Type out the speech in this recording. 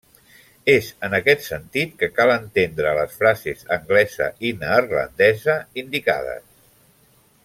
És en aquest sentit que cal entendre les frases anglesa i neerlandesa indicades.